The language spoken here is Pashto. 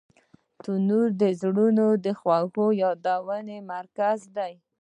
تنور د زړونو د خوږو یادونو مرکز دی